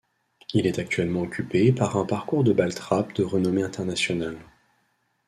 Il est actuellement occupé par un parcours de ball-trap de renommée internationale.